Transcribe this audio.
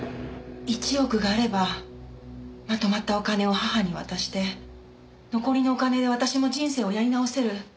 １億があればまとまったお金を母に渡して残りのお金で私も人生をやり直せる。